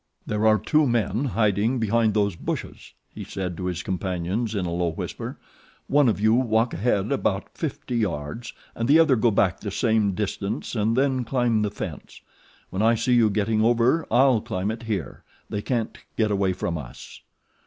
"There are two men hiding behind those bushes," he said to his companions in a low whisper. "One of you walk ahead about fifty yards and the other go back the same distance and then climb the fence. When I see you getting over I'll climb it here. They can't get away from us."